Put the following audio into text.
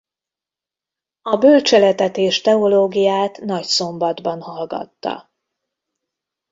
A bölcseletet és teológiát Nagyszombatban hallgatta.